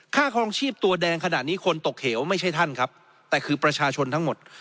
ครองชีพตัวแดงขนาดนี้คนตกเหวไม่ใช่ท่านครับแต่คือประชาชนทั้งหมด